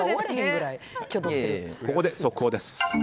ここで速報です。